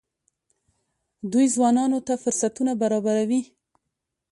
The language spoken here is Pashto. دوی ځوانانو ته فرصتونه برابروي.